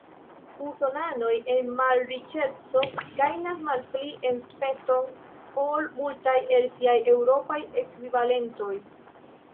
Usonanoj en malriĉeco gajnas malpli enspezon ol multaj el siaj eŭropaj ekvivalentoj.